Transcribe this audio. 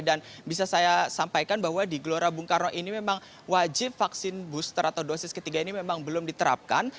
dan bisa saya sampaikan bahwa di gelora bung karno ini memang wajib vaksin booster atau dosis ketiga ini memang belum diterapkan